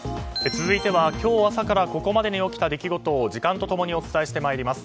続いては今日朝からここまでに起きた出来事を時間と共にお伝えしてまいります。